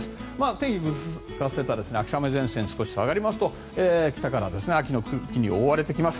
天気をぐずらせた秋雨前線少し下がりますと北から秋の空気に覆われてきます。